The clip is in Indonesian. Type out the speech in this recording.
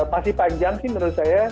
masih panjang sih menurut saya